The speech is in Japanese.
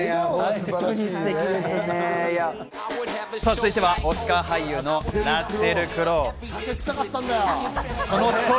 続いてはオスカー俳優のラッセル・クロウ。